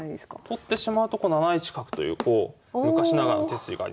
取ってしまうと７一角という昔ながらの手筋がありますね。